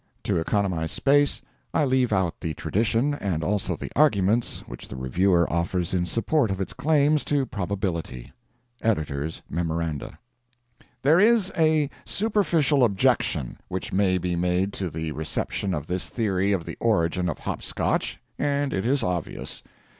[To economize space, I leave out the tradition, and also the arguments which the reviewer offers in support of its claims to probability.—EDITOR MEMORANDA.] There is a superficial objection which may be made to the reception of this theory of the origin of hop Scotch, and it is obvious.